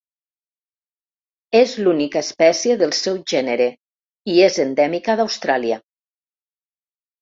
És l'única espècie del seu gènere i és endèmica d'Austràlia.